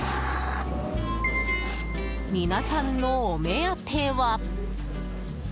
皆さんのお目当ては。